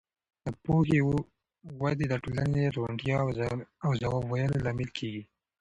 د پوهې وده د ټولنیزې روڼتیا او ځواب ویلو لامل کېږي.